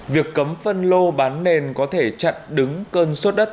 việc cấm phân lô bán nền có thể chặn đứng cơn sốt đất